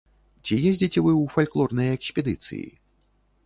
Ці ездзіце вы ў фальклорныя экспедыцыі?